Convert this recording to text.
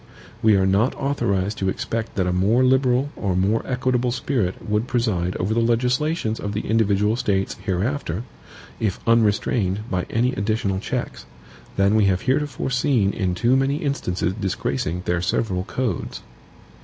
We are not authorized to expect that a more liberal or more equitable spirit would preside over the legislations of the individual States hereafter, if unrestrained by any additional checks, than we have heretofore seen in too many instances disgracing their several codes.